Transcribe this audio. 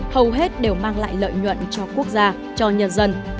hầu hết đều mang lại lợi nhuận cho quốc gia cho nhân dân